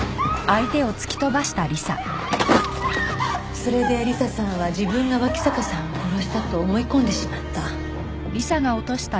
それで理彩さんは自分が脇坂さんを殺したと思い込んでしまった。